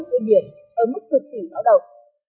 trên biển ở mức cực kỳ bão động